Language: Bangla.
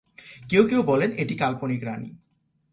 কেউ কেউ বলেন এটি কাল্পনিক রানী।